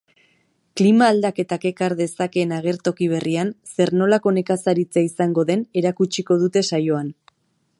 Klima aldaketak ekar dezakeen agertoki berrian zer-nolako nekazaritza izango den erakutsiko dute saioan.